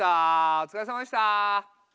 お疲れさまでした。